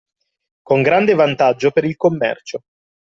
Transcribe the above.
Con grande vantaggio per il commercio.